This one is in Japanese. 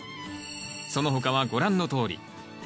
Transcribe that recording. その他はご覧のとおり。